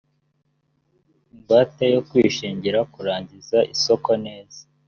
ingwate yo kwishingira kurangiza isoko neza